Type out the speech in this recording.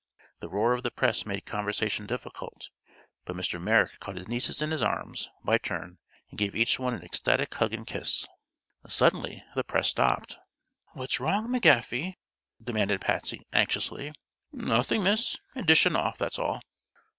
The roar of the press made conversation difficult, but Mr. Merrick caught his nieces in his arms, by turn, and gave each one an ecstatic hug and kiss. Suddenly the press stopped. "What's wrong, McGaffey?" demanded Patsy, anxiously. "Nothing, miss. Edition off, that's all."